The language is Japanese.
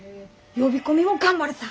呼び込みも頑張るさ。